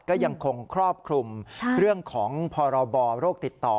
ก็ยังคงครอบคลุมเรื่องของพรบโรคติดต่อ